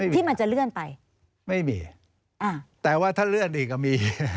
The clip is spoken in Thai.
ที่มันจะเลื่อนไปไม่มีแต่ว่าถ้าเลื่อนอีกก็มี